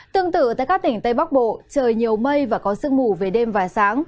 tương tự tại các tỉnh tây bắc bộ trời nhiều mây và có sương mù về đêm và sáng